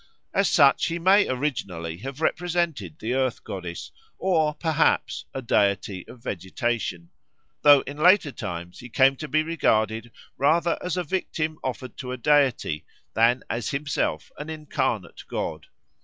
As such, he may originally have represented the Earth Goddess or, perhaps, a deity of vegetation; though in later times he came to be regarded rather as a victim offered to a deity than as himself an incarnate god.